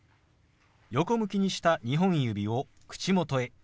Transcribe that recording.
横向きにした２本指を口元へ。